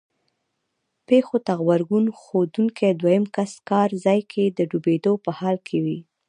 پېښو ته غبرګون ښودونکی دویم کس کار ځای کې د ډوبېدو په حال وي.